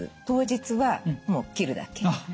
当日はもう切るだけ。